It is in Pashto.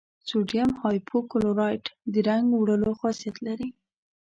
سوډیم هایپو کلورایټ د رنګ وړلو خاصیت لري.